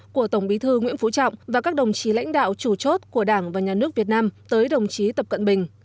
của tổng bí thư nguyễn phú trọng và các đồng chí lãnh đạo chủ chốt của đảng và nhà nước việt nam tới đồng chí tập cận bình